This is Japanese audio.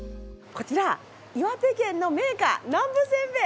こちら岩手県の銘菓南部せんべい。